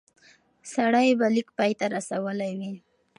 سړی به لیک پای ته رسولی وي.